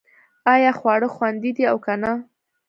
ایا خواړه خوندي دي او که نه